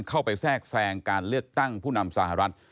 แทรกแทรงการเลือกตั้งผู้นำสหรัฐ